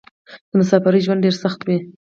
د مسافرۍ ژوند ډېر سخت وې.